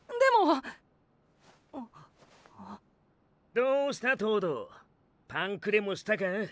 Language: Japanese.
どうした東堂パンクでもしたかぁ？